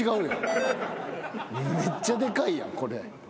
めっちゃでかいやんこれ。